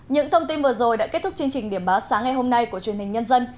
những thông tin vừa rồi đã kết thúc chương trình điểm báo sáng ngày hôm nay của truyền hình nhân dân